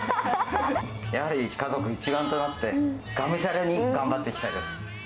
やはり家族一丸となって、がむしゃらに頑張っていきたいです。